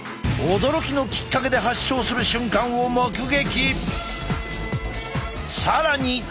驚きのきっかけで発症する瞬間を目撃！